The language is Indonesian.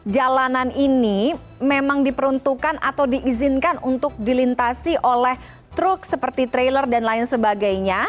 jalanan ini memang diperuntukkan atau diizinkan untuk dilintasi oleh truk seperti trailer dan lain sebagainya